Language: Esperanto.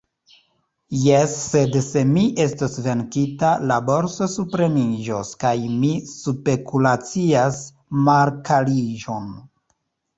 Jes, sed se mi estos venkita, la borso supreniĝos, kaj mi spekulacias malkariĝon.